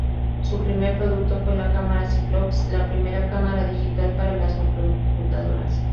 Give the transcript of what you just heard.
Su primer producto fue la cámara Cyclops, la primera cámara digital para las microcomputadoras.